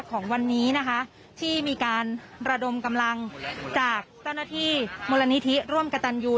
ของวันนี้นะคะที่มีการระดมกำลังจากเจ้าหน้าที่มูลนิธิร่วมกระตันยู